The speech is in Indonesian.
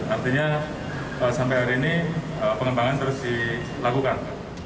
artinya sampai hari ini pengembangan terus dilakukan